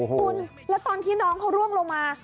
คุณแล้วตอนที่น้องเขาร่วงลงมา